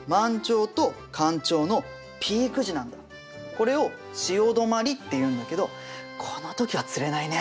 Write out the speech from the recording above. これを潮止まりっていうんだけどこの時は釣れないね。